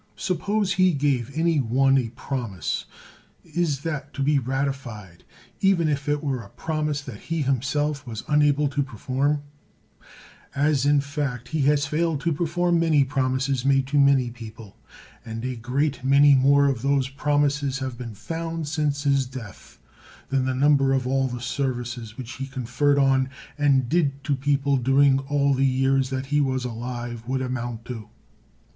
Suppose he gave any one a promise, is that to be ratified, even if 156 CICERO it were a promise that he himself was unable to perform ? As, in fact, he has failed to perform many promises made to many people. And a great many more of those promises have been found since his death, than the number of all the services which he conferred on and did to people during all the years that he was alive would amount to.